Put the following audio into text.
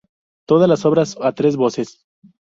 Todas las obras a tres voces.